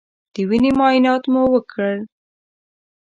د وینې معاینات مو وکړی